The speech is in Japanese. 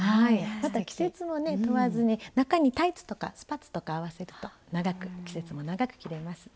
また季節もね問わずに中にタイツとかスパッツとか合わせると季節も長く着れます。